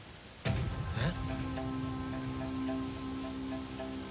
えっ？